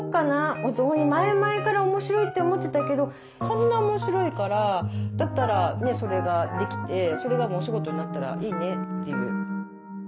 お雑煮前々から面白いって思ってたけどこんな面白いからだったらそれができてそれがもうお仕事になったらいいねっていう。